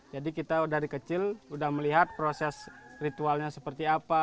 jadi kita dari kecil sudah melihat proses ritualnya seperti apa